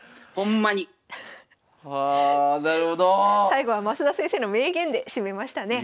最後は升田先生の名言で締めましたね。